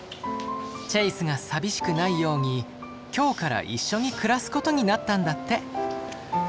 チェイスが寂しくないように今日から一緒に暮らすことになったんだって。